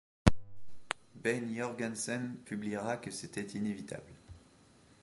Ben Jorgensen publiera que c'était inévitable.